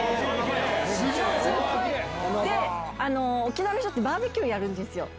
沖縄の人ってバーベキューをやるんですよ。